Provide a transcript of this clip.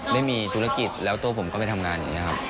ไม่มีธุรกิจแล้วตัวผมก็ไปทำงานอย่างนี้ครับ